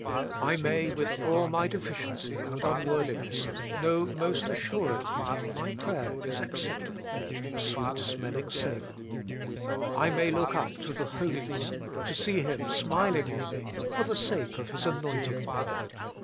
I may, with all my defi ciency and unworthiness, know most assuredly that my prayer is acceptable, a sweet smelling savour. I may look up to the Holy One to see Him smiling on me, for the sake of His Anointed One.